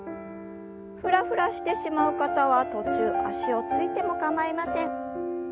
ふらふらしてしまう方は途中足をついても構いません。